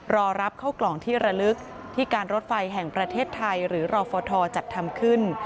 รอรับเข้ากล่องที่ระลึกที่การรถไฟแห่งประเทศไทยหรือรอฟทจัดทำขึ้น